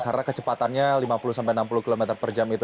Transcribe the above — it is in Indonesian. karena kecepatannya lima puluh enam puluh km per jam itu